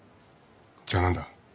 じゃあ何だ。